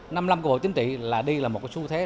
năm năm của bộ chính trị là đi là một cái xu thế